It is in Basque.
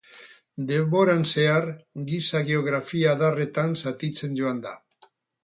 Denboran zehar, giza geografia adarretan zatitzen joan da.